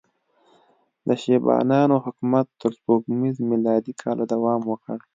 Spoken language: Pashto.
د شیبانیانو حکومت تر سپوږمیز میلادي کاله دوام وکړ.